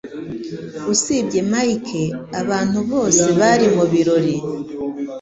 Usibye Mike, abantu bose bari mubirori.